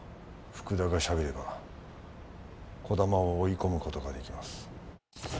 福田がしゃべれば児玉を追い込む事ができます。